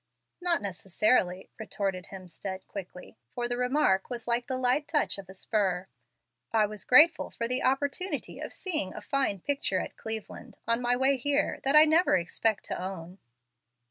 "Not necessarily," retorted Hemstead, quickly, for the remark was like the light touch of a spur. "I was grateful for the opportunity of seeing a fine picture at Cleveland, on my way here, that I never expect to own."